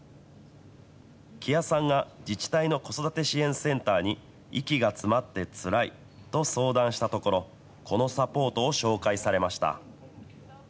木屋さんが自治体の子育て支援センターに、息が詰まってつらいと相談したところ、このサポートを紹介されました。